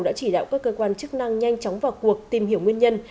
đã chỉ đạo các cơ quan chức năng nhanh chóng vào cuộc tìm hiểu nguyên nhân